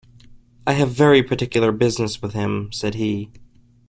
‘I have very particular business with him,’ said he.